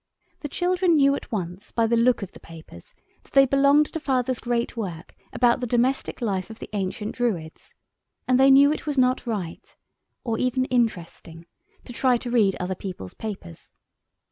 The children knew at once by the look of the papers that they belonged to Father's great work about the Domestic Life of the Ancient Druids, and they knew it was not right—or even interesting—to try to read other people's papers.